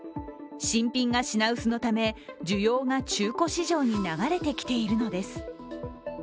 新品が品薄のため需要が中古市場に流れてきているのです。